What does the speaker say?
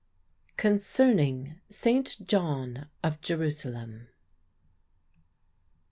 '" CONCERNING ST. JOHN OF JERUSALEM.